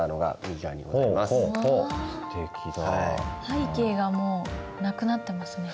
背景がもうなくなってますね。